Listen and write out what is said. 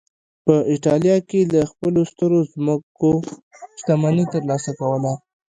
په اېټالیا کې له خپلو سترو ځمکو شتمني ترلاسه کوله